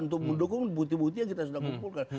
untuk mendukung bukti bukti yang sudah kita kumpulkan